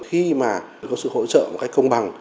khi mà có sự hỗ trợ một cách công bằng